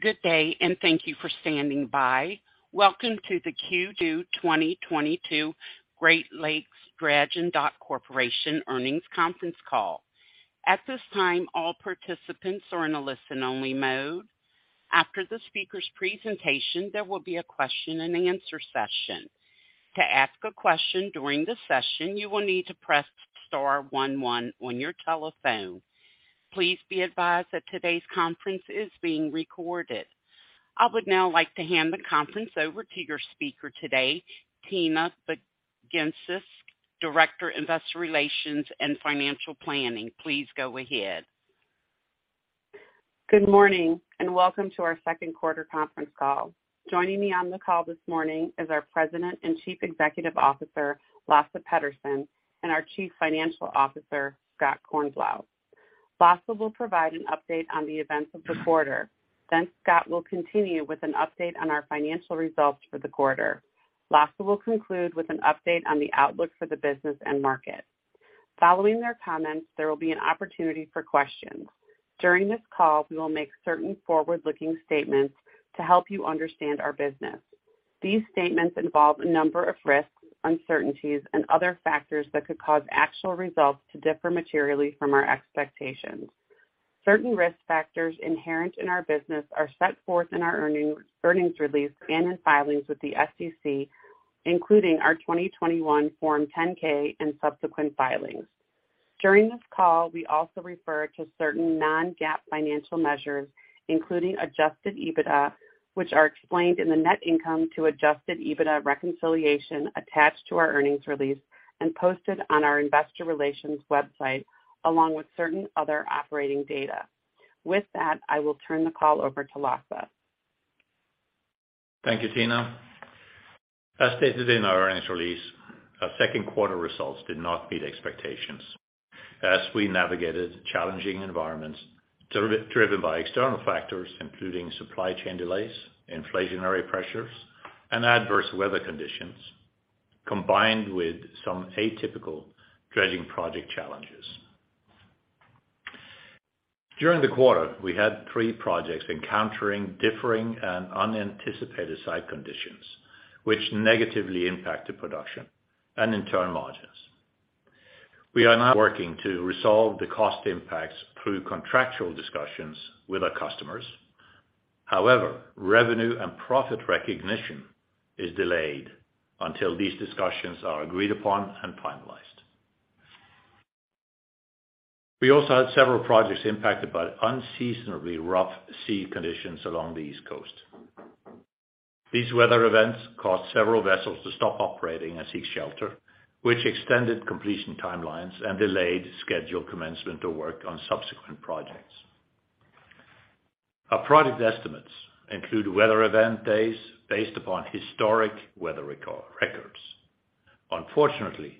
Good day, and thank you for standing by. Welcome to the Q2 2022 Great Lakes Dredge & Dock Corporation Earnings Conference Call. At this time, all participants are in a listen-only mode. After the speaker's presentation, there will be a question-and-answer session. To ask a question during the session, you will need to press star one one on your telephone. Please be advised that today's conference is being recorded. I would now like to hand the conference over to your speaker today, Tina Baginskis, Director, Investor Relations and Financial Planning. Please go ahead. Good morning, and welcome to our Q2 conference call. Joining me on the call this morning is our President and Chief Executive Officer, Lasse Petterson, and our Chief Financial Officer, Scott Kornblau. Lasse will provide an update on the events of the quarter, then Scott will continue with an update on our financial results for the quarter. Lasse will conclude with an update on the outlook for the business and market. Following their comments, there will be an opportunity for questions. During this call, we will make certain forward-looking statements to help you understand our business. These statements involve a number of risks, uncertainties, and other factors that could cause actual results to differ materially from our expectations. Certain risk factors inherent in our business are set forth in our earnings release and in filings with the SEC, including our 2021 Form 10-K and subsequent filings. During this call, we also refer to certain non-GAAP financial measures, including adjusted EBITDA, which are explained in the net income to adjusted EBITDA reconciliation attached to our earnings release and posted on our investor relations website, along with certain other operating data. With that, I will turn the call over to Lasse. Thank you, Tina. As stated in our earnings release, our Q2 results did not meet expectations as we navigated challenging environments driven by external factors, including supply chain delays, inflationary pressures, and adverse weather conditions, combined with some atypical dredging project challenges. During the quarter, we had three projects encountering differing and unanticipated site conditions, which negatively impacted production and in turn, margins. We are now working to resolve the cost impacts through contractual discussions with our customers. However, revenue and profit recognition is delayed until these discussions are agreed upon and finalized. We also had several projects impacted by unseasonably rough sea conditions along the East Coast. These weather events caused several vessels to stop operating and seek shelter, which extended completion timelines and delayed scheduled commencement to work on subsequent projects. Our project estimates include weather event days based upon historic weather records. Unfortunately,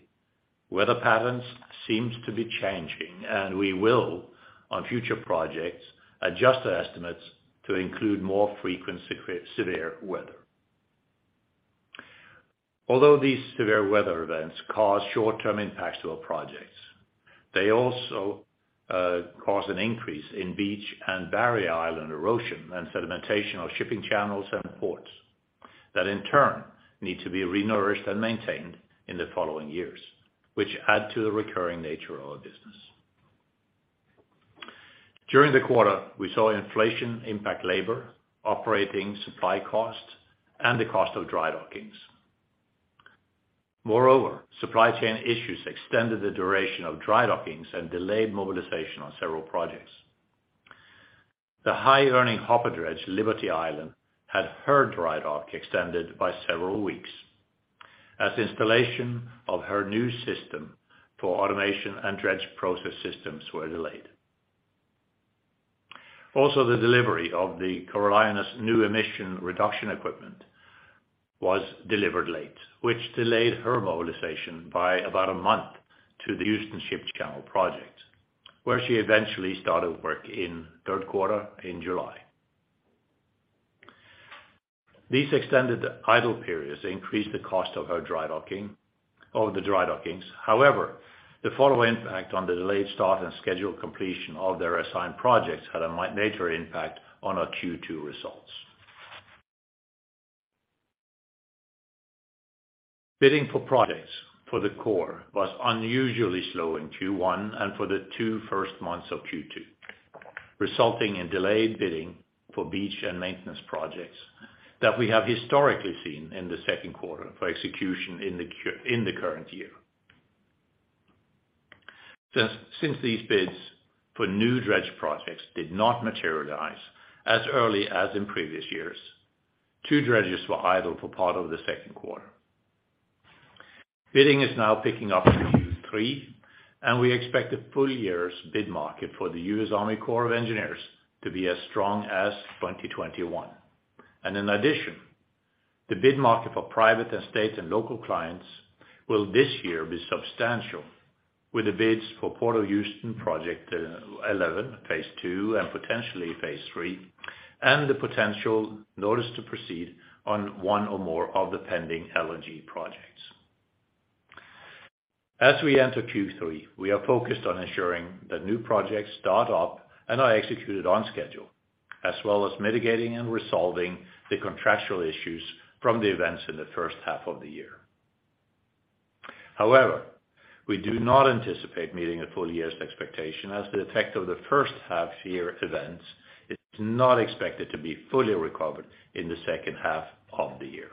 weather patterns seem to be changing, and we will, on future projects, adjust the estimates to include more frequent severe weather. Although these severe weather events cause short-term impacts to our projects, they also cause an increase in beach and barrier island erosion and sedimentation of shipping channels and ports that in turn need to be renourished and maintained in the following years, which add to the recurring nature of our business. During the quarter, we saw inflation impact labor, operating supply costs, and the cost of dry dockings. Moreover, supply chain issues extended the duration of dry dockings and delayed mobilization on several projects. The high-earning hopper dredge, Liberty Island, had her dry dock extended by several weeks as installation of her new system for automation and dredge process systems were delayed. The delivery of the Carolina's new emission reduction equipment was delivered late, which delayed her mobilization by about a month to the Houston Ship Channel project, where she eventually started work in Q3 in July. These extended idle periods increased the cost of her dry docking. However, the follow impact on the delayed start and scheduled completion of their assigned projects had a major impact on our Q2 results. Bidding for projects for the quarter was unusually slow in Q1 and for the first two months of Q2, resulting in delayed bidding for beach and maintenance projects that we have historically seen in the Q2 for execution in the current year. Since these bids for new dredge projects did not materialize as early as in previous years, two dredges were idle for part of the Q2. Bidding is now picking up in Q3, and we expect the full year's bid market for the U.S. Army Corps of Engineers to be as strong as 2021. In addition, the bid market for private and state and local clients will this year be substantial, with the bids for Port of Houston Project 11, phase II, and potentially phase III, and the potential notice to proceed on one or more of the pending LNG projects. As we enter Q3, we are focused on ensuring that new projects start up and are executed on schedule, as well as mitigating and resolving the contractual issues from the events in the H1 of the year. However, we do not anticipate meeting a full year's expectation as the effect of the H1 year events is not expected to be fully recovered in the H2 of the year.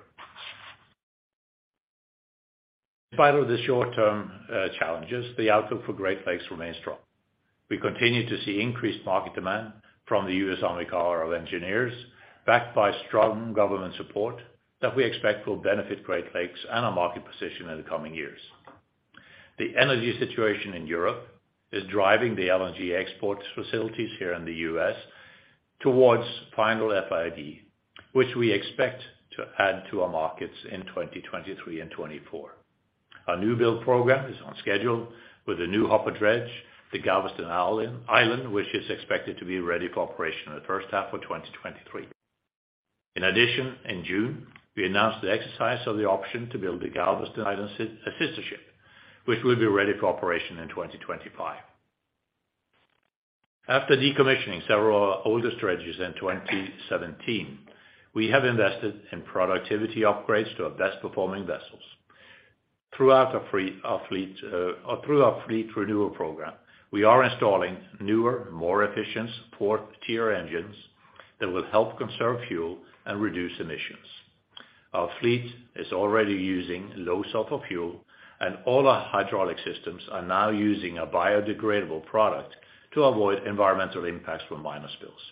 In spite of the short-term challenges, the outlook for Great Lakes remains strong. We continue to see increased market demand from the U.S. Army Corps of Engineers, backed by strong government support that we expect will benefit Great Lakes and our market position in the coming years. The energy situation in Europe is driving the LNG exports facilities here in the US towards final FID, which we expect to add to our markets in 2023 and 2024. Our new build program is on schedule with a new hopper dredge, the Galveston Island, which is expected to be ready for operation in the H1 of 2023. In addition, in June, we announced the exercise of the option to build the Galveston Island sister ship, which will be ready for operation in 2025. After decommissioning several older strategies in 2017, we have invested in productivity upgrades to our best-performing vessels. Throughout our fleet renewal program, we are installing newer and more efficient Tier 4 engines that will help conserve fuel and reduce emissions. Our fleet is already using low sulfur fuel, and all our hydraulic systems are now using a biodegradable product to avoid environmental impacts from minor spills.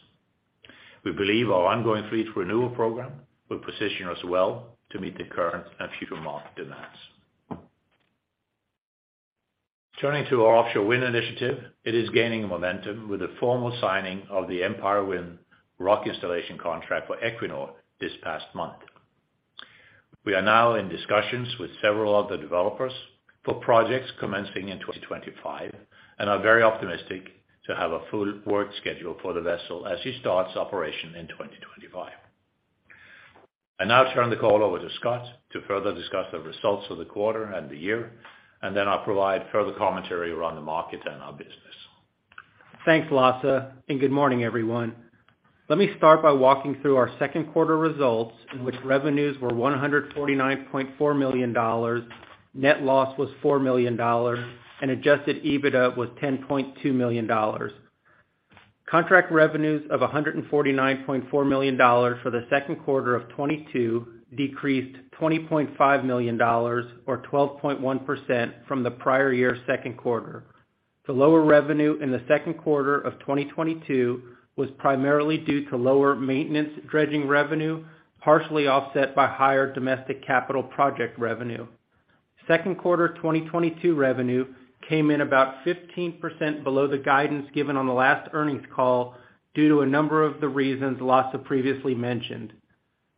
We believe our ongoing fleet renewal program will position us well to meet the current and future market demands. Turning to our offshore wind initiative, it is gaining momentum with the formal signing of the Empire Wind rock installation contract for Equinor this past month. We are now in discussions with several other developers for projects commencing in 2025 and are very optimistic to have a full work schedule for the vessel as she starts operation in 2025. I now turn the call over to Scott to further discuss the results of the quarter and the year, and then I'll provide further commentary around the market and our business. Thanks, Lasse, and good morning, everyone. Let me start by walking through our Q2 results in which revenues were $149.4 million, net loss was $4 million, and adjusted EBITDA was $10.2 million. Contract revenues of $149.4 million for the Q2 of 2022 decreased $20.5 million or 12.1% from the prior year's Q2. The lower revenue in the Q2 of 2022 was primarily due to lower maintenance dredging revenue, partially offset by higher domestic capital project revenue. Q2 2022 revenue came in about 15% below the guidance given on the last earnings call due to a number of the reasons Lasse previously mentioned.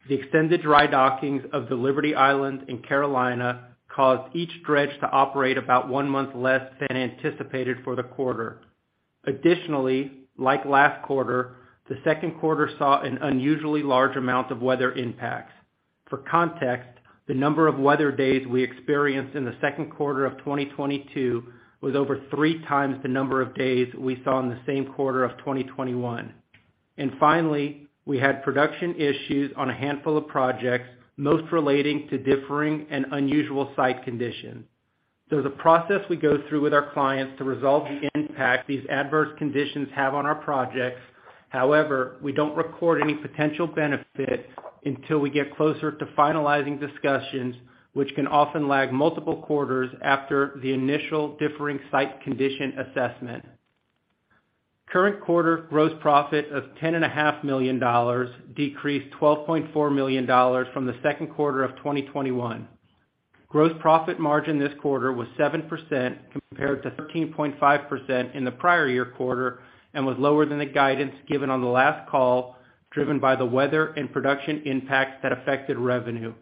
The extended dry dockings of the Liberty Island and Carolina caused each dredge to operate about one month less than anticipated for the quarter. Additionally, like last quarter, the Q2 saw an unusually large amount of weather impacts. For context, the number of weather days we experienced in the Q2 of 2022 was over three times the number of days we saw in the same quarter of 2021. Finally, we had production issues on a handful of projects, most relating to differing and unusual site conditions. There's a process we go through with our clients to resolve the impact these adverse conditions have on our projects. However, we don't record any potential benefit until we get closer to finalizing discussions, which can often lag multiple quarters after the initial differing site condition assessment. Current quarter gross profit of $10.5 million decreased $12.4 million from the Q2 of 2021. Gross profit margin this quarter was 7% compared to 13.5% in the prior year quarter and was lower than the guidance given on the last call, driven by the weather and production impacts that affected revenue.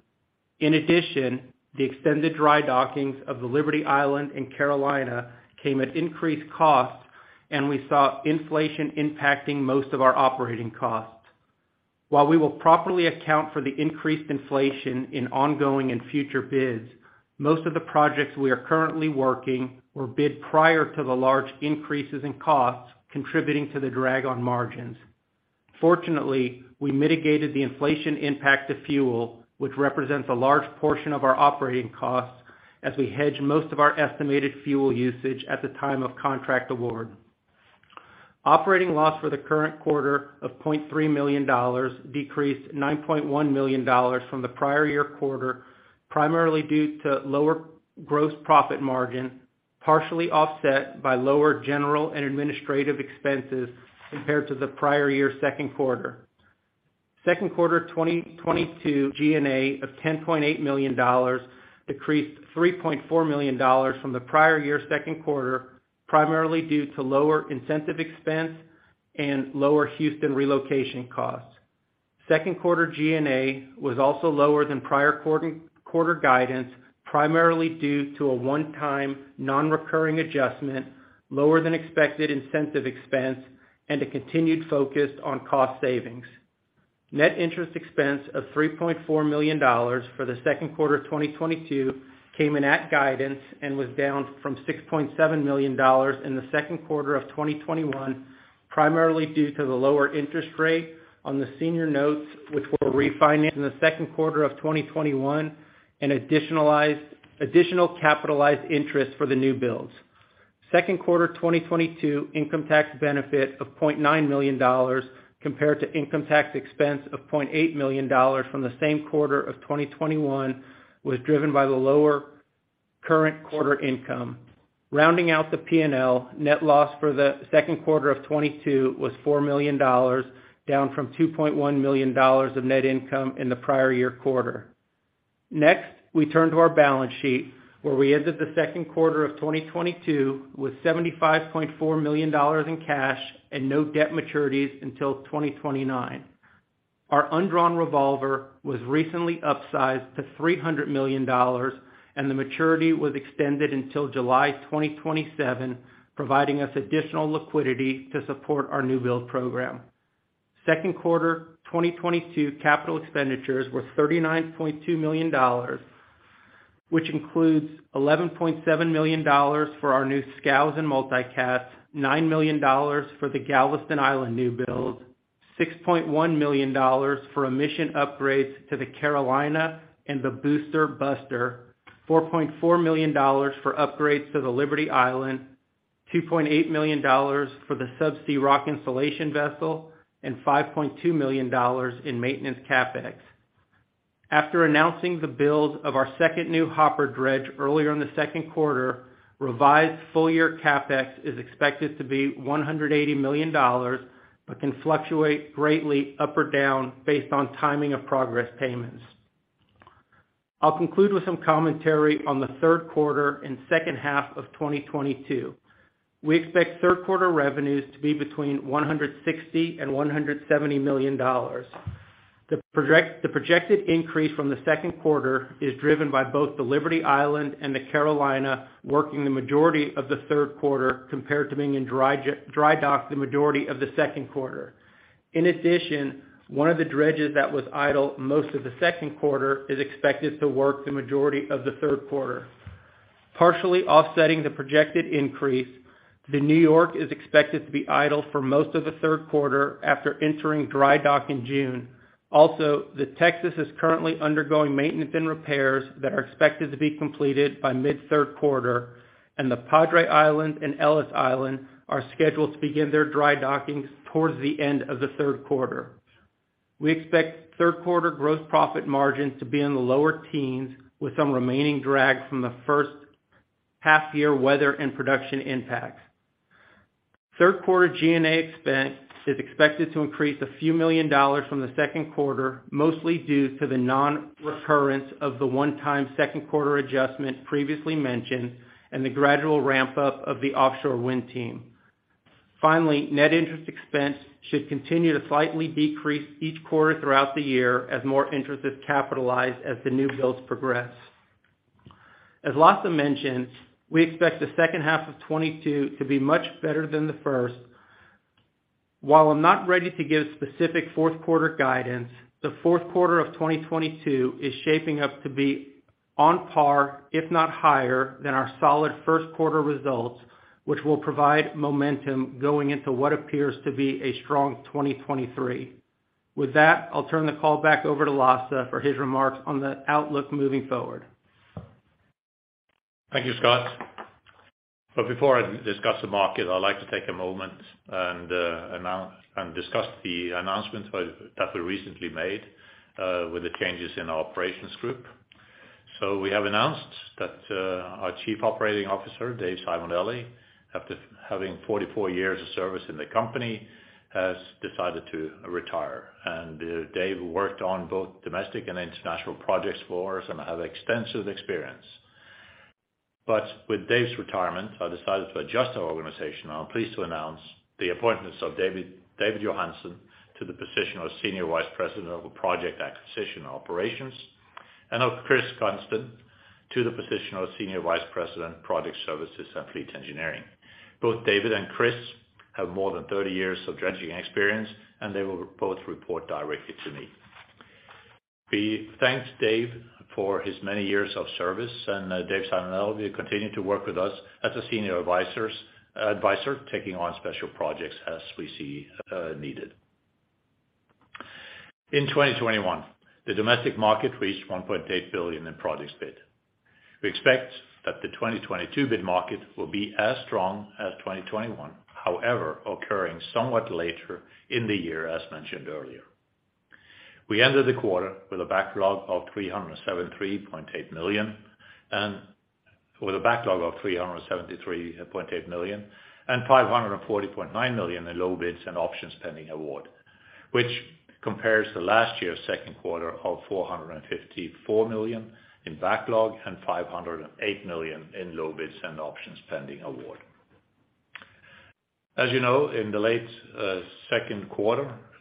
In addition, the extended dry dockings of the Liberty Island and Carolina came at increased costs, and we saw inflation impacting most of our operating costs. While we will properly account for the increased inflation in ongoing and future bids, most of the projects we are currently working were bid prior to the large increases in costs contributing to the drag on margins. Fortunately, we mitigated the inflation impact of fuel, which represents a large portion of our operating costs as we hedge most of our estimated fuel usage at the time of contract award. Operating loss for the current quarter of $0.3 million decreased $9.1 million from the prior year quarter, primarily due to lower gross profit margin, partially offset by lower general and administrative expenses compared to the prior year's Q2. Q2 2022 G&A of $10.8 million decreased $3.4 million from the prior year's Q2, primarily due to lower incentive expense and lower Houston relocation costs. Q2 G&A was also lower than prior quarter guidance, primarily due to a one-time non-recurring adjustment, lower than expected incentive expense, and a continued focus on cost savings. Net interest expense of $3.4 million for the Q2 of 2022 came in at guidance and was down from $6.7 million in the Q2 of 2021, primarily due to the lower interest rate on the senior notes, which were refinanced in the Q2 of 2021, and additional capitalized interest for the new builds. Q2 2022 income tax benefit of $0.9 million compared to income tax expense of $0.8 million from the same quarter of 2021 was driven by the lower current quarter income. Rounding out the P&L net loss for the Q2 of 2022 was $4 million, down from $2.1 million of net income in the prior year quarter. Next, we turn to our balance sheet, where we ended the Q2 of 2022 with $75.4 million in cash and no debt maturities until 2029. Our undrawn revolver was recently upsized to $300 million, and the maturity was extended until July 2027, providing us additional liquidity to support our new build program. Q2 2022 capital expenditures were $39.2 million, which includes $11.7 million for our new scows and multi cats, $9 million for the Galveston Island new build, $6.1 million for emission upgrades to the Carolina and the Booster Buster, $4.4 million for upgrades to the Liberty Island, $2.8 million for the sub-sea rock installation vessel, and $5.2 million in maintenance CapEx. After announcing the build of our second new hopper dredge earlier in the Q2, revised full year CapEx is expected to be $180 million, but can fluctuate greatly up or down based on timing of progress payments. I'll conclude with some commentary on the Q3 and H2 of 2022. We expect Q3 revenues to be between $160 million and $170 million. The projected increase from the Q2 is driven by both the Liberty Island and the Carolina working the majority of the Q3 compared to being in dry dock the majority of the Q2. In addition, one of the dredges that was idle most of the Q2 is expected to work the majority of the Q3. Partially offsetting the projected increase, the New York is expected to be idle for most of the Q3 after entering dry dock in June. Also, the Texas is currently undergoing maintenance and repairs that are expected to be completed by mid Q3, and the Padre Island and Ellis Island are scheduled to begin their dry dockings towards the end of the Q3. We expect Q3 gross profit margins to be in the lower teens, with some remaining drag from the H1 year weather and production impacts. Q3 G&A expense is expected to increase a few million dollars from the Q2, mostly due to the non-recurrence of the one-time Q2 adjustment previously mentioned and the gradual ramp up of the offshore wind team. Finally, net interest expense should continue to slightly decrease each quarter throughout the year as more interest is capitalized as the new builds progress. As Lasse mentioned, we expect the H2 of 2022 to be much better than the H1. While I'm not ready to give specific Q4 guidance, the Q4 of 2022 is shaping up to be on par, if not higher, than our solid Q1 results, which will provide momentum going into what appears to be a strong 2023. With that, I'll turn the call back over to Lasse for his remarks on the outlook moving forward. Thank you, Scott. Before I discuss the market, I'd like to take a moment and announce and discuss the announcements that we recently made with the changes in our operations group. We have announced that our Chief Operating Officer, Dave Simonelli, after having 44 years of service in the company, has decided to retire. Dave worked on both domestic and international projects for us and have extensive experience. With Dave's retirement, I decided to adjust our organization, and I'm pleased to announce the appointments of David Johansen to the position of Senior Vice President of Project Acquisition and Operations, and of Chris Kunsten to the position of Senior Vice President, Project Services and Fleet Engineering. Both David and Chris have more than 30 years of dredging experience, and they will both report directly to me. We thank Dave for his many years of service, and Dave Simonelli will continue to work with us as a senior advisor, taking on special projects as we see needed. In 2021, the domestic market reached $1.8 billion in projects bid. We expect that the 2022 bid market will be as strong as 2021, however, occurring somewhat later in the year, as mentioned earlier. We ended the quarter with a backlog of $373.8 million and $540.9 million in low bids and options pending award, which compares to last year's Q2 of $454 million in backlog and $508 million in low bids and options pending award. As you know, in the late Q2,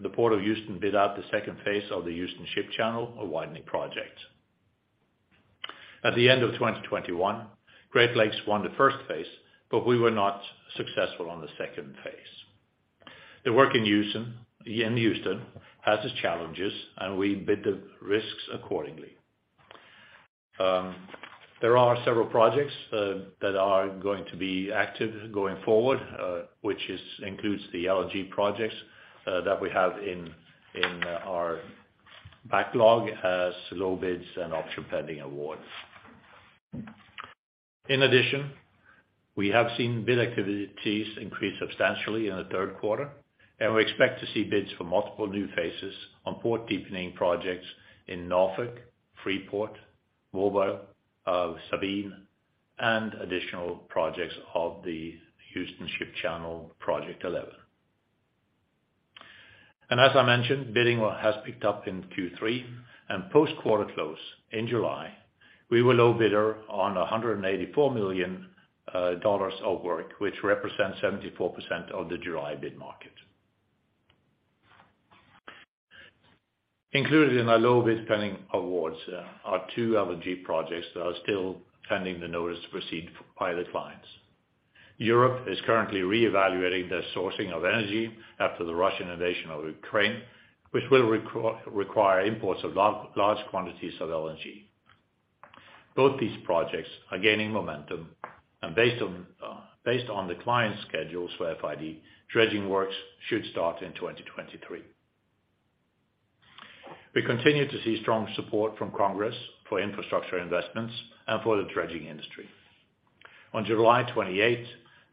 the Port of Houston bid out the second phase of the Houston Ship Channel, a widening project. At the end of 2021, Great Lakes won the first phase, but we were not successful on the second phase. The work in Houston has its challenges, and we bid the risks accordingly. There are several projects that are going to be active going forward, which includes the LNG projects that we have in our backlog as low bids and options pending awards. In addition, we have seen bid activities increase substantially in the third quarter, and we expect to see bids for multiple new phases on port deepening projects in Norfolk, Freeport, Mobile, Sabine, and additional projects of the Houston Ship Channel Project 11. As I mentioned, bidding has picked up in Q3 and post-quarter close in July, we were low bidder on $184 million of work, which represents 74% of the July bid market. Included in our low bid pending awards are two LNG projects that are still pending the notice to proceed by the clients. Europe is currently reevaluating their sourcing of energy after the Russian invasion of Ukraine, which will require imports of large quantities of LNG. Both these projects are gaining momentum and based on the client's schedules for FID, dredging works should start in 2023. We continue to see strong support from Congress for infrastructure investments and for the dredging industry. On July 28,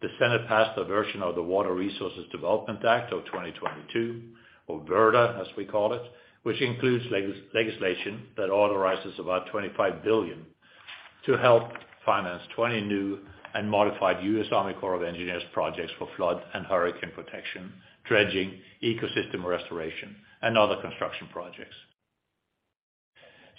the Senate passed a version of the Water Resources Development Act of 2022, or WRDA, as we call it, which includes legislation that authorizes about $25 billion to help finance 20 new and modified U.S. Army Corps of Engineers projects for flood and hurricane protection, dredging, ecosystem restoration, and other construction projects.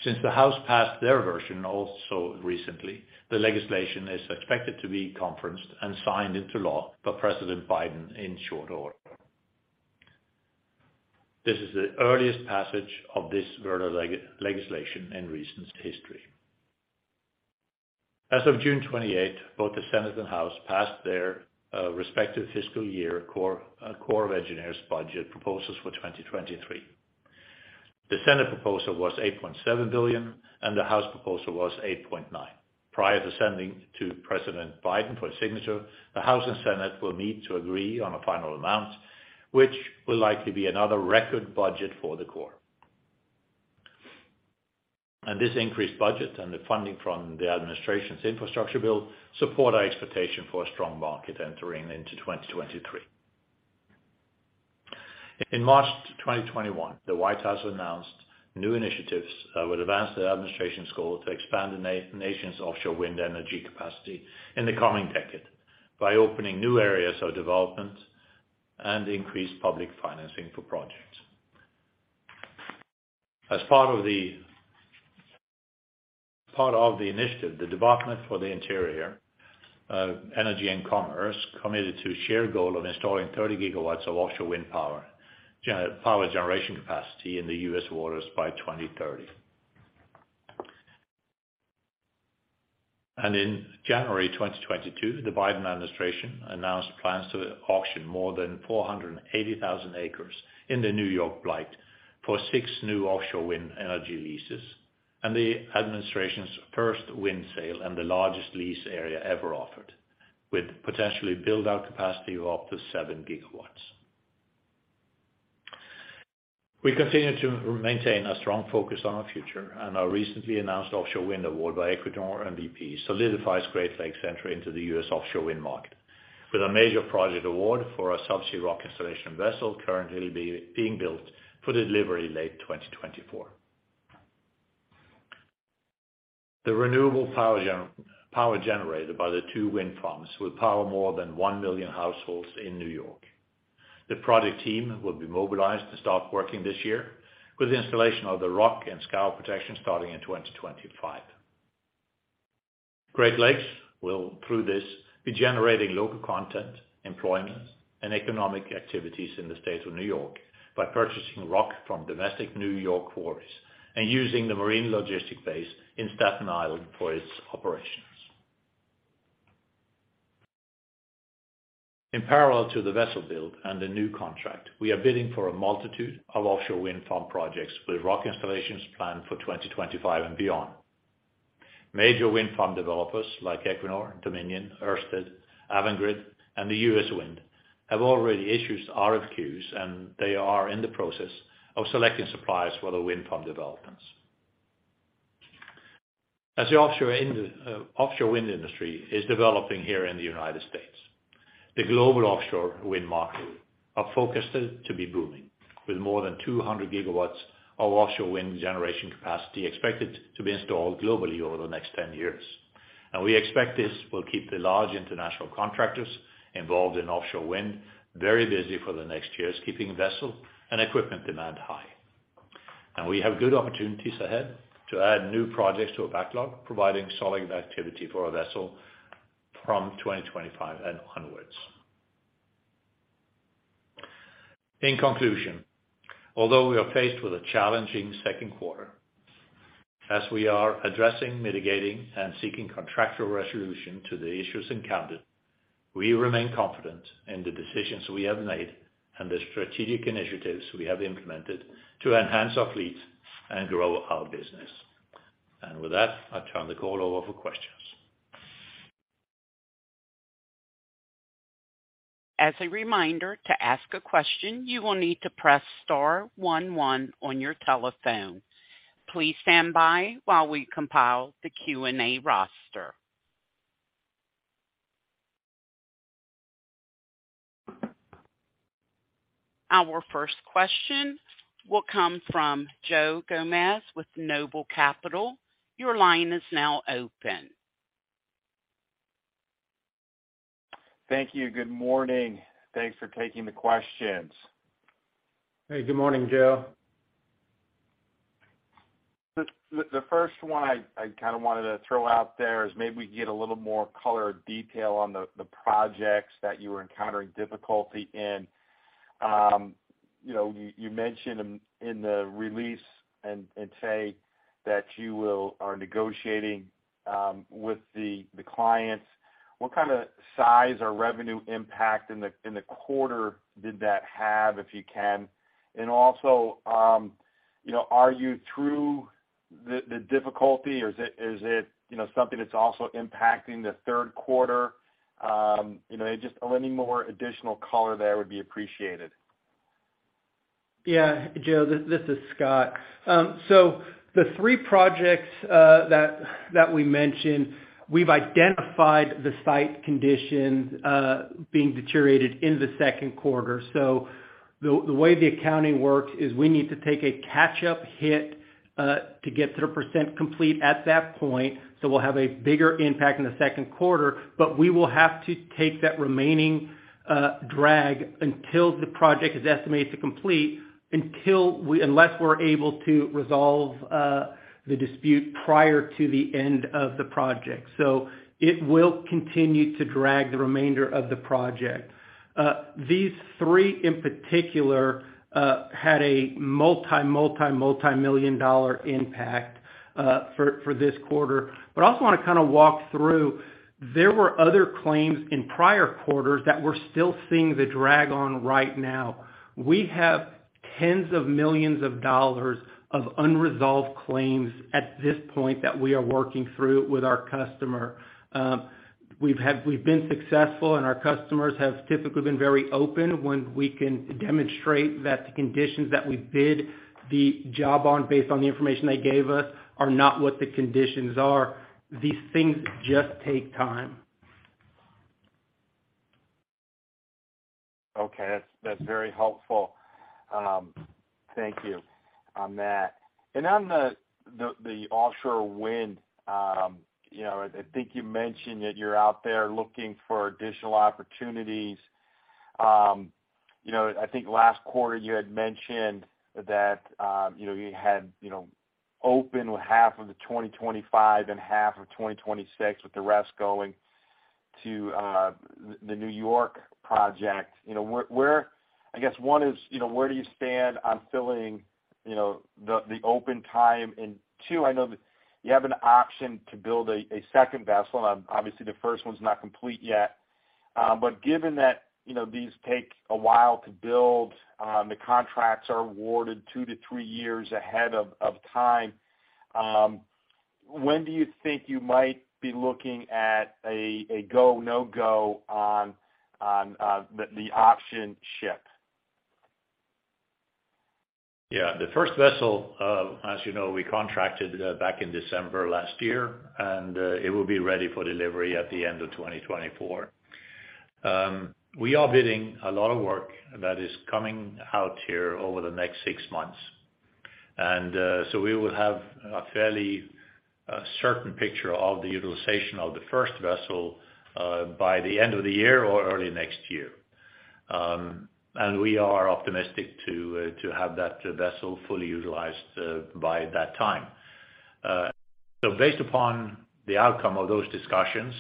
Since the House passed their version also recently, the legislation is expected to be conferenced and signed into law by President Biden in short order. This is the earliest passage of this WRDA legislation in recent history. As of June 28, both the Senate and House passed their respective fiscal year Corps of Engineers budget proposals for 2023. The Senate proposal was $8.7 billion, and the House proposal was $8.9 billion. Prior to sending to President Biden for his signature, the House and Senate will meet to agree on a final amount, which will likely be another record budget for the Corps. This increased budget and the funding from the administration's infrastructure bill support our expectation for a strong market entering into 2023. In March 2021, the White House announced new initiatives will advance the administration's goal to expand the nation's offshore wind energy capacity in the coming decade by opening new areas of development and increase public financing for projects. As part of the initiative, the Department of the Interior, Energy and Commerce committed to a shared goal of installing 30 gigawatts of offshore wind power generation capacity in the U.S. waters by 2030. In January 2022, the Biden administration announced plans to auction more than 480,000 acres in the New York Bight for six new offshore wind energy leases, the administration's first wind sale and the largest lease area ever offered, with potentially build-out capacity of up to 7 GW. We continue to maintain a strong focus on our future, and our recently announced offshore wind award by Equinor MVP solidifies Great Lakes entry into the U.S. offshore wind market with a major project award for a sub-sea rock installation vessel currently being built for delivery late 2024. The renewable power generated by the two wind farms will power more than 1 million households in New York. The project team will be mobilized to start working this year with the installation of the rock and scale protection starting in 2025. Great Lakes will, through this, be generating local content, employment, and economic activities in the state of New York by purchasing rock from domestic New York quarries and using the marine logistic base in Staten Island for its operations. In parallel to the vessel build and the new contract, we are bidding for a multitude of offshore wind farm projects with rock installations planned for 2025 and beyond. Major wind farm developers like Equinor, Dominion, Ørsted, Avangrid, and US Wind have already issued RFQs, and they are in the process of selecting suppliers for the wind farm developments. As the offshore wind industry is developing here in the United States, the global offshore wind market are forecasted to be booming with more than 200 gigawatts of offshore wind generation capacity expected to be installed globally over the next 10 years. We expect this will keep the large international contractors involved in offshore wind very busy for the next years, keeping vessel and equipment demand high. We have good opportunities ahead to add new projects to our backlog, providing solid activity for our vessel from 2025 and onwards. In conclusion, although we are faced with a challenging Q2, as we are addressing, mitigating, and seeking contractual resolution to the issues encountered, we remain confident in the decisions we have made and the strategic initiatives we have implemented to enhance our fleet and grow our business. With that, I turn the call over for questions. As a reminder, to ask a question, you will need to press star one one on your telephone. Please stand by while we compile the Q&A roster. Our first question will come from Joe Gomes with Noble Capital Markets. Your line is now open. Thank you. Good morning. Thanks for taking the questions. Hey, good morning, Joe. The first one I kind of wanted to throw out there is maybe we can get a little more color or detail on the projects that you were encountering difficulty in. You know, you mentioned in the release and are negotiating with the clients. What kind of size or revenue impact in the quarter did that have, if you can? Also, you know, are you through the difficulty, or is it, you know, something that's also impacting the Q3? You know, just any more additional color there would be appreciated. Yeah. Joe, this is Scott. The three projects that we mentioned, we've identified the site conditions being deteriorated in the Q2. The way the accounting works is we need to take a catch-up hit to get to the percent complete at that point, we'll have a bigger impact in the Q2, but we will have to take that remaining drag until the project is estimated to complete, unless we're able to resolve the dispute prior to the end of the project. It will continue to drag the remainder of the project. These three in particular had a multi-million dollar impact for this quarter. I also wanna kind of walk through, there were other claims in prior quarters that we're still seeing the drag on right now. We have tens of millions of dollars of unresolved claims at this point that we are working through with our customer. We've been successful, and our customers have typically been very open when we can demonstrate that the conditions that we bid the job on, based on the information they gave us, are not what the conditions are. These things just take time. Okay. That's very helpful, thank you on that. On the offshore wind, you know, I think you mentioned that you're out there looking for additional opportunities. You know, I think last quarter you had mentioned that, you know, you had open half of 2025 and half of 2026, with the rest going to the New York project. You know, where I guess one is, you know, where do you stand on filling the open time? And two, I know that you have an option to build a second vessel. Obviously the first one's not complete yet. Given that, you know, these take a while to build, the contracts are awarded 2-3 years ahead of time, when do you think you might be looking at a go, no-go on the option ship? Yeah. The first vessel, as you know, we contracted back in December last year, and it will be ready for delivery at the end of 2024. We are bidding a lot of work that is coming out here over the next six months. We will have a fairly certain picture of the utilization of the first vessel by the end of the year or early next year. We are optimistic to have that vessel fully utilized by that time. Based upon the outcome of those discussions,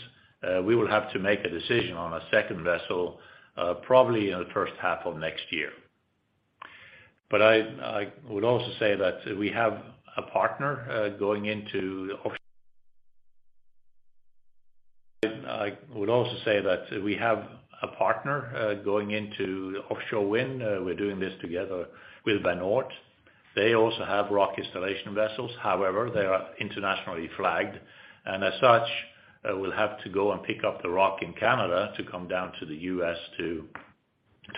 we will have to make a decision on a second vessel, probably in the H1 of next year. I would also say that we have a partner going into offshore wind. We're doing this together with Van Oord. They also have rock installation vessels. However, they are internationally flagged, and as such, will have to go and pick up the rock in Canada to come down to the U.S. to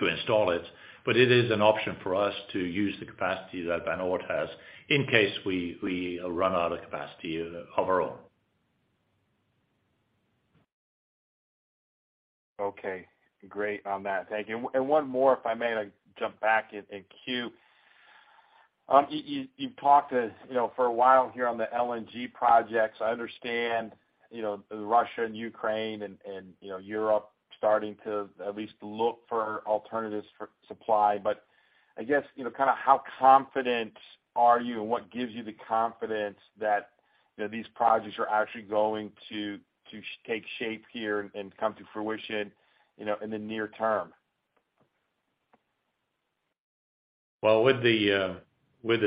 install it. It is an option for us to use the capacity that Van Oord has in case we run out of capacity of our own. Okay. Great on that. Thank you. One more, if I may, like, jump back in queue. You've talked, as you know, for a while here on the LNG projects. I understand, you know, Russia and Ukraine, and you know, Europe starting to at least look for alternatives for supply. But I guess, you know, kind of how confident are you and what gives you the confidence that, That these projects are actually going to take shape here and come to fruition, you know, in the near term. Well, with the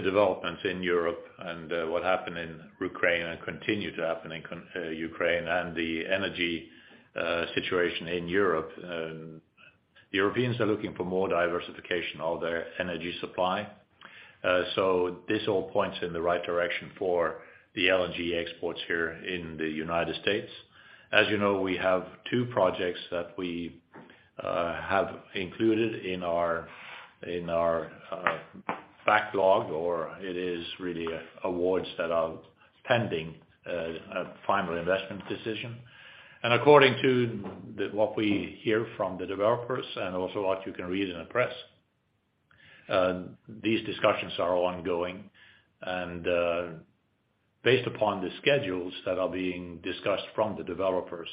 developments in Europe and what happened in Ukraine and continue to happen in Ukraine and the energy situation in Europe, Europeans are looking for more diversification of their energy supply. This all points in the right direction for the LNG exports here in the United States. As you know, we have two projects that we have included in our backlog, or it is really awards that are pending a final investment decision. According to what we hear from the developers and also what you can read in the press, these discussions are ongoing and, based upon the schedules that are being discussed from the developers,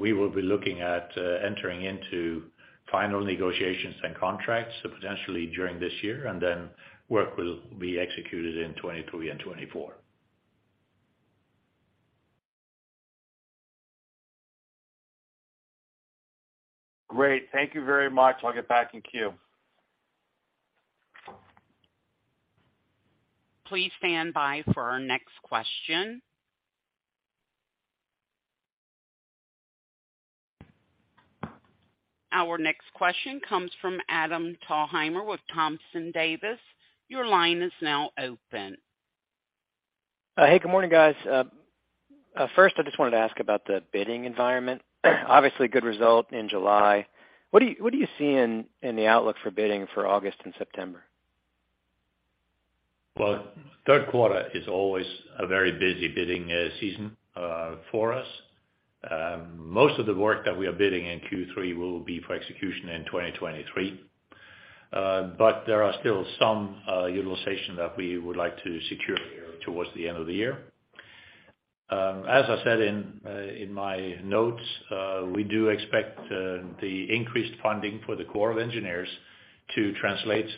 we will be looking at entering into final negotiations and contracts, so potentially during this year, and then work will be executed in 2023 and 2024. Great. Thank you very much. I'll get back in queue. Please stand by for our next question. Our next question comes from Adam Thalhimer with Thompson Davis. Your line is now open. Hey, good morning, guys. First, I just wanted to ask about the bidding environment. Obviously, good result in July. What do you see in the outlook for bidding for August and September? Well, Q3 is always a very busy bidding season for us. Most of the work that we are bidding in Q3 will be for execution in 2023. There are still some utilization that we would like to secure towards the end of the year. As I said in my notes, we do expect the increased funding for the Corps of Engineers to translate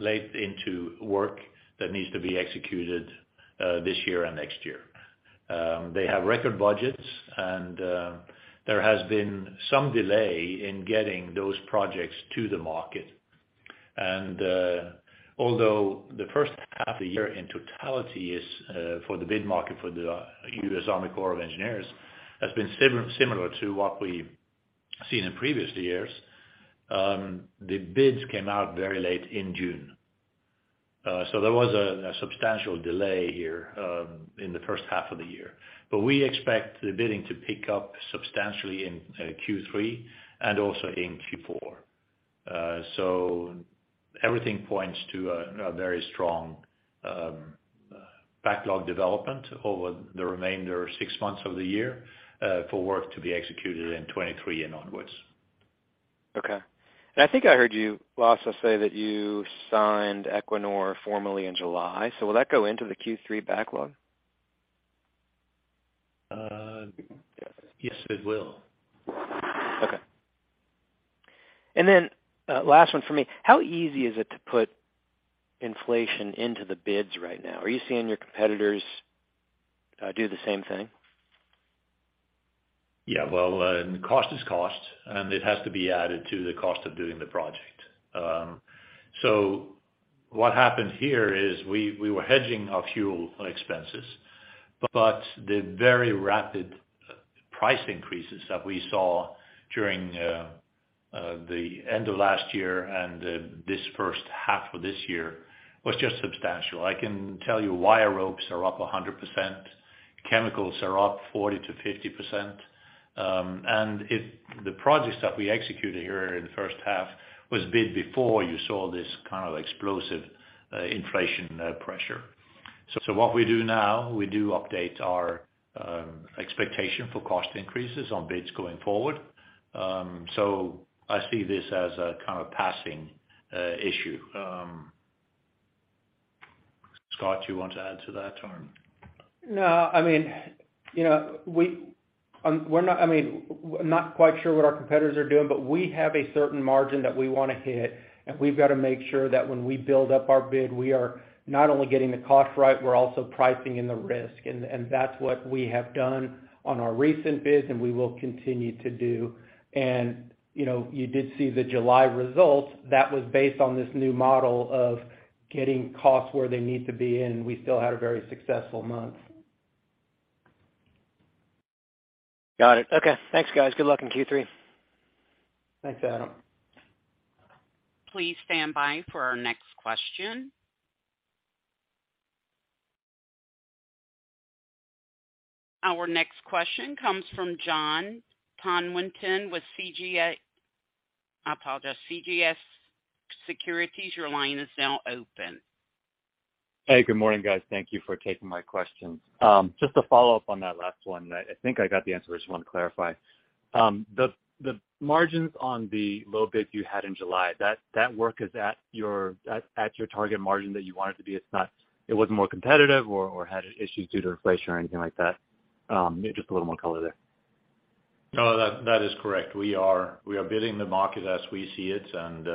into work that needs to be executed this year and next year. They have record budgets and there has been some delay in getting those projects to the market. Although the H1 of the year in totality is for the bid market for the U.S. Army Corps of Engineers has been similar to what we've seen in previous years, the bids came out very late in June. There was a substantial delay here in the H1 of the year. We expect the bidding to pick up substantially in Q3 and also in Q4. Everything points to a very strong backlog development over the remainder six months of the year for work to be executed in 2023 and onwards. Okay. I think I heard you also say that you signed Equinor formally in July. Will that go into the Q3 backlog? Yes, it will. Okay. Last one for me. How easy is it to put inflation into the bids right now? Are you seeing your competitors do the same thing? Yeah. Well, cost is cost, and it has to be added to the cost of doing the project. So what happened here is we were hedging our fuel expenses, but the very rapid price increases that we saw during the end of last year and this H1 of this year was just substantial. I can tell you wire ropes are up 100%. Chemicals are up 40%-50%. And the projects that we executed here in the H1 was bid before you saw this kind of explosive inflation pressure. So what we do now, we do update our expectation for cost increases on bids going forward. So I see this as a kind of passing issue. Scott, you want to add to that or? No, I mean, you know, we're not quite sure what our competitors are doing, but we have a certain margin that we wanna hit, and we've got to make sure that when we build up our bid, we are not only getting the cost right, we're also pricing in the risk. That's what we have done on our recent bids, and we will continue to do. You know, you did see the July results. That was based on this new model of getting costs where they need to be in. We still had a very successful month. Got it. Okay. Thanks, guys. Good luck in Q3. Thanks, Adam. Please stand by for our next question. Our next question comes from Jon Tanwanteng with CJS Securities. Your line is now open. Hey, good morning, guys. Thank you for taking my questions. Just to follow up on that last one. I think I got the answer, I just want to clarify. The margins on the low bid you had in July, that work is at your target margin that you want it to be. It's not. It was more competitive or had issues due to inflation or anything like that. Just a little more color there. No, that is correct. We are bidding the market as we see it, and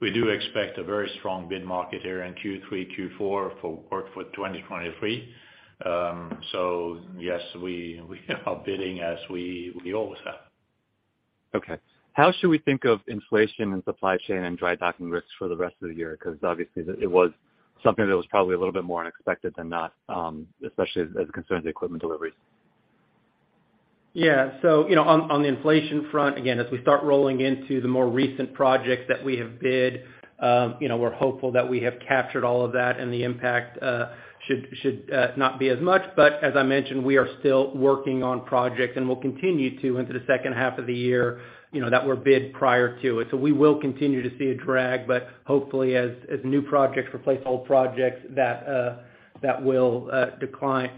we do expect a very strong bid market here in Q3, Q4 for 2023. Yes, we are bidding as we always have. Okay. How should we think of inflation and supply chain and dry docking risks for the rest of the year? Because obviously it was something that was probably a little bit more unexpected than not, especially as it concerns the equipment deliveries. Yeah, you know, on the inflation front, again, as we start rolling into the more recent projects that we have bid, you know, we're hopeful that we have captured all of that and the impact should not be as much. As I mentioned, we are still working on projects and will continue into the H2 of the year, you know, that were bid prior to it. We will continue to see a drag. Hopefully as new projects replace old projects, that will decline.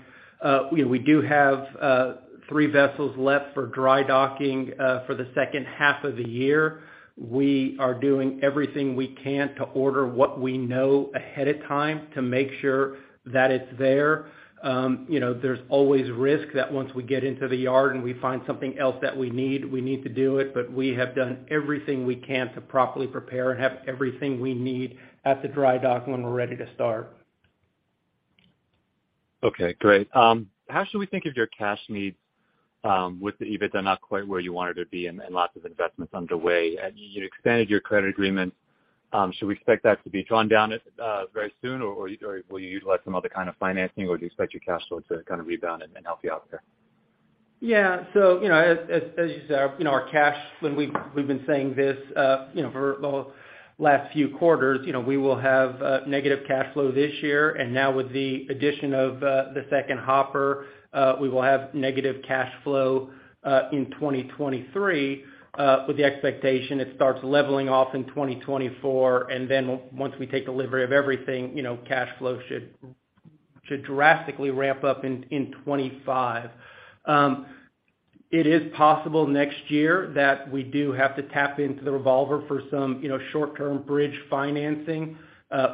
We do have three vessels left for dry docking for the H2 of the year. We are doing everything we can to order what we know ahead of time to make sure that it's there. You know, there's always risk that once we get into the yard and we find something else that we need, we need to do it. We have done everything we can to properly prepare and have everything we need at the dry dock when we're ready to start. Okay, great. How should we think of your cash needs, with the EBITDA not quite where you want it to be and lots of investments underway? You expanded your credit agreement. Should we expect that to be drawn down very soon? Or will you utilize some other kind of financing? Or do you expect your cash flow to kind of rebound and help you out there? Yeah. You know, as you said, you know, our cash, we've been saying this, you know, for the last few quarters, you know, we will have negative cash flow this year. Now with the addition of the second hopper, we will have negative cash flow in 2023, with the expectation it starts leveling off in 2024. Then once we take delivery of everything, you know, cash flow should drastically ramp up in 2025. It is possible next year that we do have to tap into the revolver for some, you know, short-term bridge financing.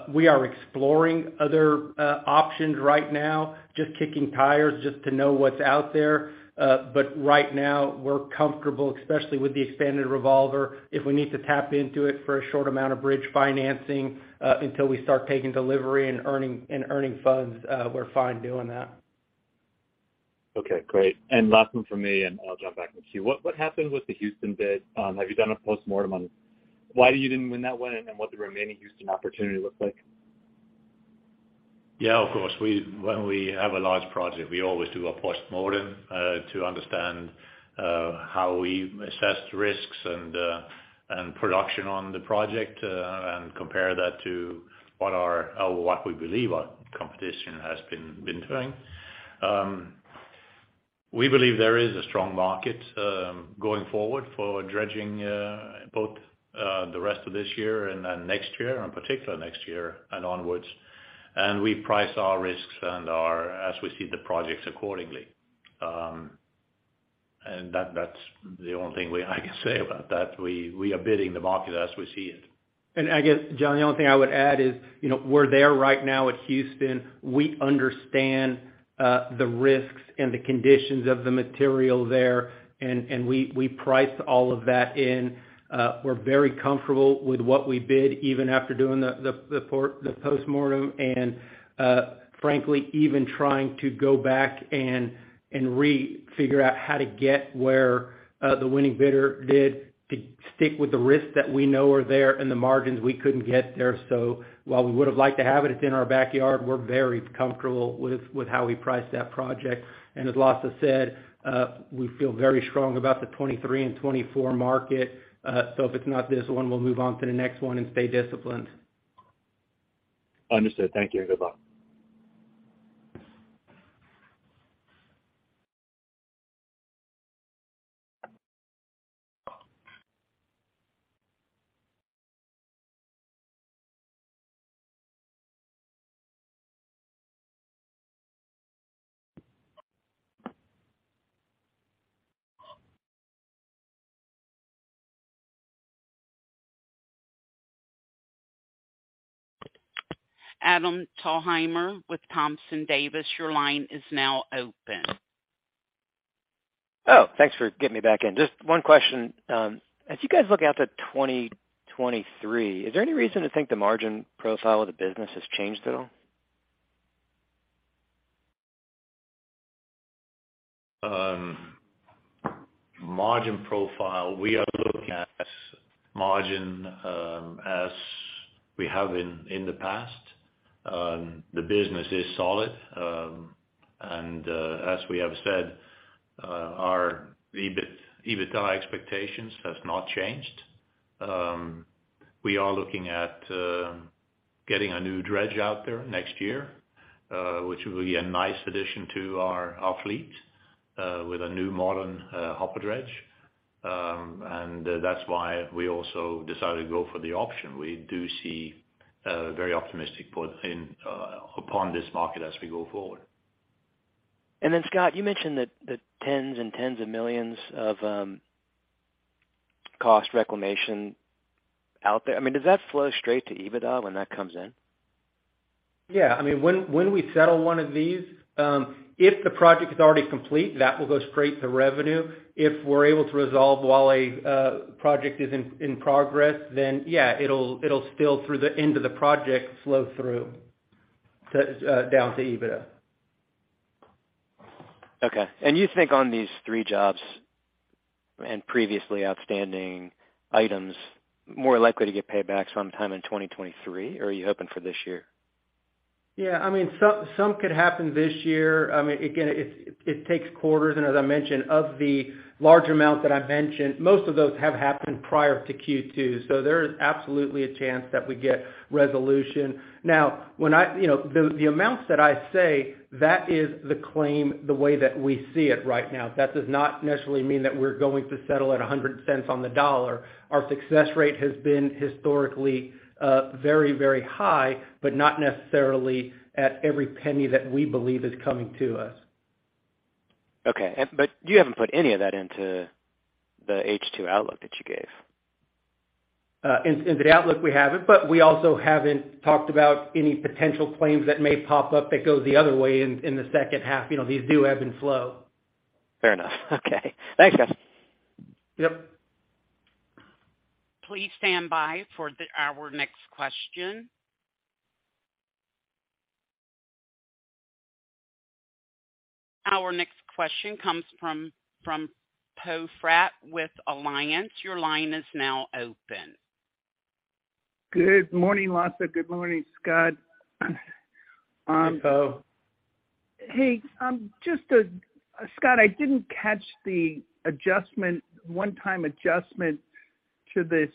We are exploring other options right now, just kicking tires just to know what's out there. Right now we're comfortable, especially with the expanded revolver, if we need to tap into it for a short amount of bridge financing, until we start taking delivery and earning funds. We're fine doing that. Okay, great. Last one from me, and I'll jump back in the queue. What happened with the Houston bid? Have you done a postmortem on why you didn't win that one and what the remaining Houston opportunity looks like? Yeah, of course. When we have a large project, we always do a postmortem to understand how we assess risks and production on the project and compare that to what we believe our competition has been doing. We believe there is a strong market going forward for dredging both the rest of this year and then next year, in particular next year and onwards. We price our risks and our, as we see the projects accordingly. That's the only thing I can say about that. We are bidding the market as we see it. I guess, John, the only thing I would add is, you know, we're there right now at Houston. We understand the risks and the conditions of the material there, and we priced all of that in. We're very comfortable with what we bid, even after doing the postmortem. Frankly, even trying to go back and refigure out how to get where the winning bidder did to stick with the risks that we know are there and the margins we couldn't get there. While we would have liked to have it's in our backyard, we're very comfortable with how we priced that project. As Lasse said, we feel very strong about the 2023 and 2024 market. If it's not this one, we'll move on to the next one and stay disciplined. Understood. Thank you. Goodbye. Adam Thalhimer with Thompson Davis, your line is now open. Oh, thanks for getting me back in. Just one question. As you guys look out to 2023, is there any reason to think the margin profile of the business has changed at all? Margin profile, we are looking at margin as we have in the past. The business is solid. As we have said, our EBITDA expectations has not changed. We are looking at getting a new dredge out there next year, which will be a nice addition to our fleet with a new modern hopper dredge. That's why we also decided to go for the option. We do see a very optimistic put in upon this market as we go forward. Scott, you mentioned that tens and tens of millions of Cost reclamation out there. I mean, does that flow straight to EBITDA when that comes in? Yeah. I mean, when we settle one of these, if the project is already complete, that will go straight to revenue. If we're able to resolve while a project is in progress, then yeah, it'll spill through the end of the project flow through to down to EBITDA. Okay. You think on these three jobs and previously outstanding items, more likely to get payback sometime in 2023, or are you hoping for this year? Yeah. I mean, some could happen this year. I mean, again, it takes quarters, and as I mentioned, of the large amount that I mentioned, most of those have happened prior to Q2. There is absolutely a chance that we get resolution. Now, when I you know, the amounts that I say, that is the claim the way that we see it right now. That does not necessarily mean that we're going to settle at 100 cents on the dollar. Our success rate has been historically very high, but not necessarily at every penny that we believe is coming to us. You haven't put any of that into the H2 outlook that you gave. In the outlook, we haven't, but we also haven't talked about any potential claims that may pop up that goes the other way in the H2. You know, these do ebb and flow. Fair enough. Okay. Thanks, guys. Yep. Please stand by for our next question. Our next question comes from Poe Fratt with Alliance. Your line is now open. Good morning, Lasse. Good morning, Scott. Hey, Poe. Hey, just, Scott, I didn't catch the adjustment, one-time adjustment to this,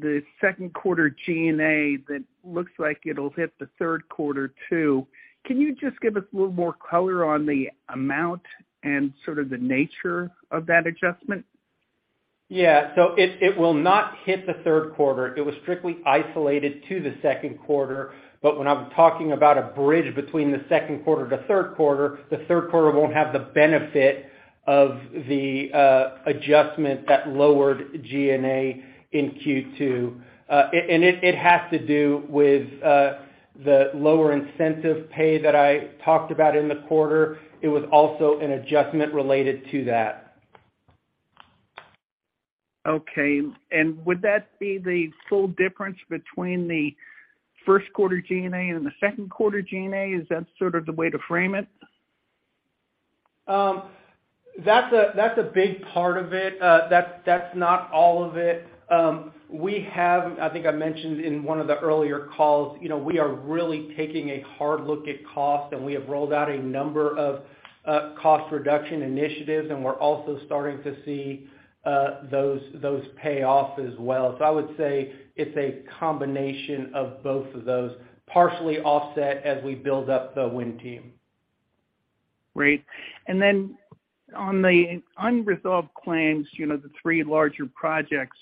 the Q2 G&A that looks like it'll hit the Q3 too. Can you just give us a little more color on the amount and sort of the nature of that adjustment? Yeah. It will not hit the Q3. It was strictly isolated to the Q2. When I'm talking about a bridge between the Q2 to Q3, the Q3 won't have the benefit of the adjustment that lowered G&A in Q2. It has to do with the lower incentive pay that I talked about in the quarter. It was also an adjustment related to that. Okay. Would that be the full difference between the Q1 G&A and the Q2 G&A? Is that sort of the way to frame it? That's a big part of it. That's not all of it. We have, I think I mentioned in one of the earlier calls, you know, we are really taking a hard look at cost, and we have rolled out a number of cost reduction initiatives, and we're also starting to see those pay off as well. I would say it's a combination of both of those, partially offset as we build up the wind team. Great. On the unresolved claims, you know, the three larger projects,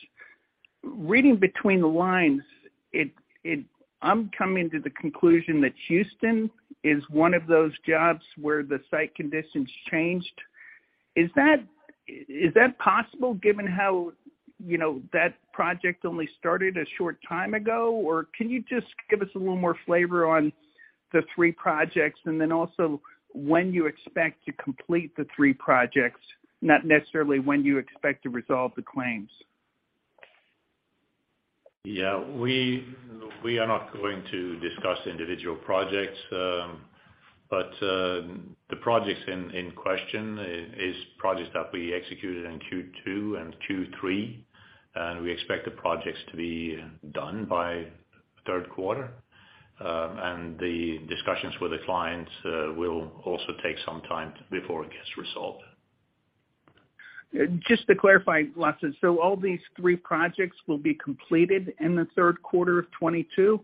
reading between the lines, I'm coming to the conclusion that Houston is one of those jobs where the site conditions changed. Is that possible given how, you know, that project only started a short time ago? Can you just give us a little more flavor on the three projects, and then also when you expect to complete the three projects, not necessarily when you expect to resolve the claims? Yeah. We are not going to discuss individual projects, but the projects in question is projects that we executed in Q2 and Q3, and we expect the projects to be done by Q3. The discussions with the clients will also take some time before it gets resolved. Just to clarify, Lasse, so all these 3 projects will be completed in the Q3 of 2022?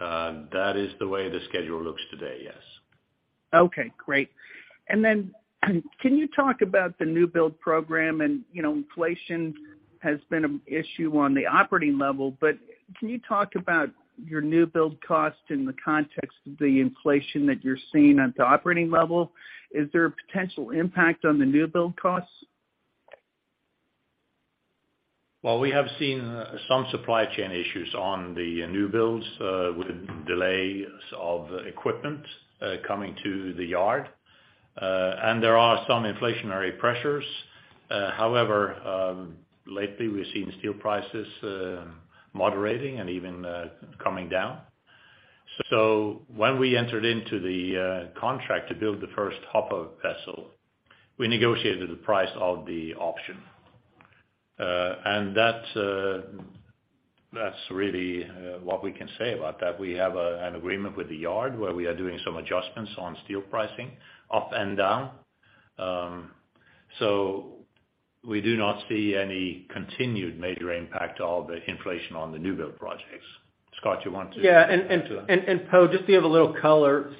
That is the way the schedule looks today, yes. Okay, great. Can you talk about the new build program? You know, inflation has been an issue on the operating level, but can you talk about your new build cost in the context of the inflation that you're seeing at the operating level? Is there a potential impact on the new build costs? Well, we have seen some supply chain issues on the new builds with delays of equipment coming to the yard. There are some inflationary pressures. However, lately we've seen steel prices moderating and even coming down. When we entered into the contract to build the first hopper vessel, we negotiated the price of the option. That's really what we can say about that. We have an agreement with the yard where we are doing some adjustments on steel pricing up and down. We do not see any continued major impact of the inflation on the new build projects. Scott, you want to- Poe, just to give a little color.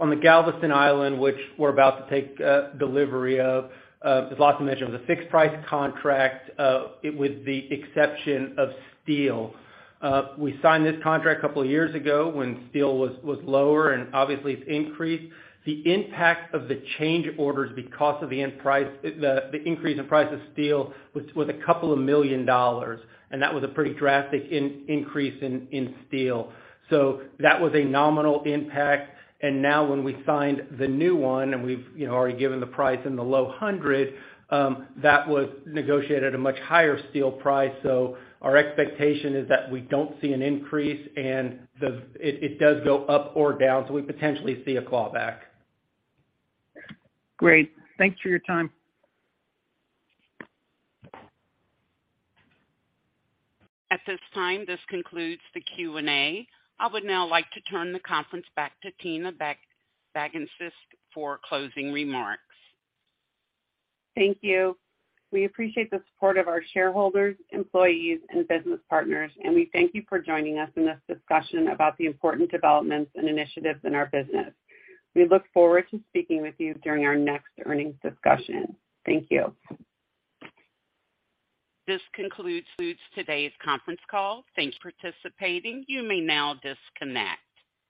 On the Galveston Island, which we're about to take delivery of, as Lasse mentioned, was a fixed price contract, with the exception of steel. We signed this contract a couple of years ago when steel was lower, and obviously it's increased. The impact of the change orders because of the increase in price of steel was $2 million, and that was a pretty drastic increase in steel. That was a nominal impact. Now when we signed the new one, and we've, you know, already given the price in the low hundreds, that was negotiated a much higher steel price. Our expectation is that we don't see an increase and it does go up or down, so we potentially see a clawback. Great. Thanks for your time. At this time, this concludes the Q&A. I would now like to turn the conference back to Tina Baginskis for closing remarks. Thank you. We appreciate the support of our shareholders, employees, and business partners, and we thank you for joining us in this discussion about the important developments and initiatives in our business. We look forward to speaking with you during our next earnings discussion. Thank you. This concludes today's conference call. Thanks for participating. You may now disconnect.